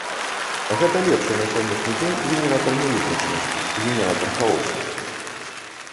Гэта лепшы на сённяшні дзень генератар нявызначанасці, генератар хаосу.